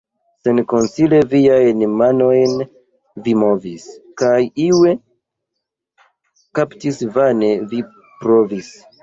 Senkonsile viajn manojn vi movis, kaj iun kapti vane vi provis.